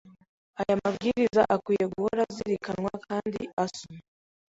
Aya mabwiriza akwiriye guhora azirikanwa kandi asu